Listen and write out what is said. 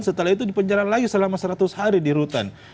setelah itu dipenjara lagi selama seratus hari di rutan